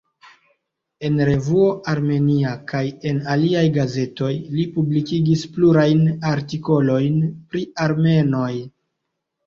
En revuo "Armenia" kaj en aliaj gazetoj li publikis plurajn artikolojn pri armenoj.